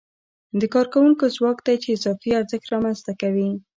د کارکوونکو ځواک دی چې اضافي ارزښت رامنځته کوي